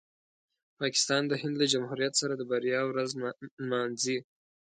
پاکستان د هند له جمهوریت سره د بریا ورځ نمانځي.